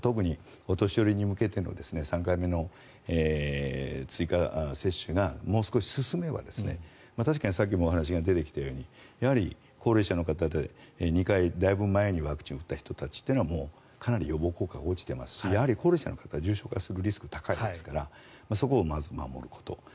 特にお年寄りに向けての３回目の追加接種がもう少し進めば確かにさっきもお話が出てきたように、高齢者の方で２回、だいぶ前にワクチンを打った人たちというのはかなり予防効果が落ちていますしやはり高齢者の方は重症化するリスクが高いですからそこをまず守ること。